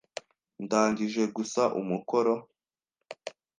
Ndangije gusa umukoro.